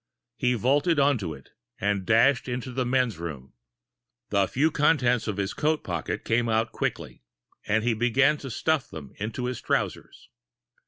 He vaulted onto it, and dashed into the men's room. The few contents of his coat pocket came out quickly, and he began to stuff them into his trousers.